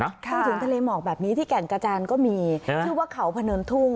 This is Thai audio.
ถึงทะเลหมอกแบบนี้ที่แก่งกระจานก็มีชื่อว่าเขาพะเนินทุ่ง